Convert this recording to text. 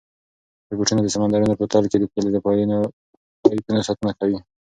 روبوټونه د سمندرونو په تل کې د تېلو د پایپونو ساتنه کوي.